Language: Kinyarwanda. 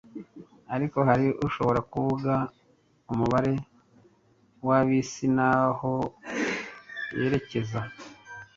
ariko hari ushobora kuvuga umubare wa bisi n'aho yerekeza?